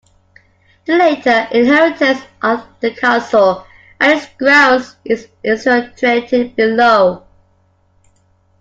The later inheritance of the castle and its grounds is illustrated below.